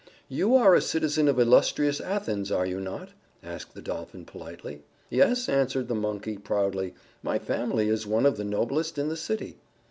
"You are a citizen of illustrious Athens, are you not?" asked the Dolphin politely. "Yes," answered the Monkey, proudly. "My family is one of the noblest in the city."